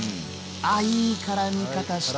あっいいからみ方してるな。